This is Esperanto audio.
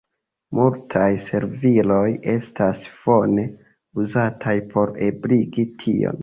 Multaj serviloj estas fone uzataj por ebligi tion.